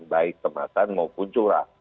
baik kemasan maupun jurang